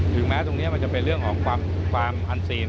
แม้ตรงนี้มันจะเป็นเรื่องของความอันซีน